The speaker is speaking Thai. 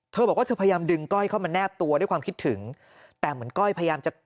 บอกว่าเธอพยายามดึงก้อยเข้ามาแนบตัวด้วยความคิดถึงแต่เหมือนก้อยพยายามจะ